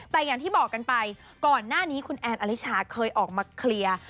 แต่อย่างที่บอกกันไปก่อนหน้านี้คุณแอนอลิชาเคยออกมาเคลียร์